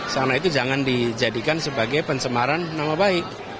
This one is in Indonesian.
sana itu jangan dijadikan sebagai pencemaran nama baik